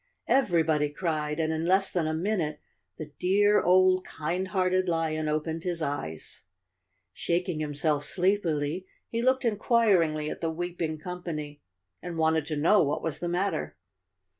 Everybody cried, and in less than a minute the dear, old kind hearted lion opened 282 Chapter Twenty One his eyes. Shaking himself sleepily, he looked inquir¬ ingly at the weeping company and wanted to know what was the matter.